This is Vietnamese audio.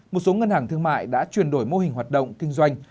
một số ngân hàng thương mại đã chuyển đổi mô hình hoạt động kinh doanh